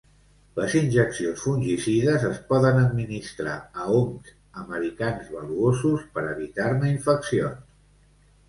Les injeccions fungicides es poden administrar a oms americans valuosos per evitar-ne infeccions.